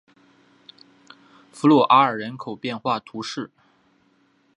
弗鲁阿尔人口变化图示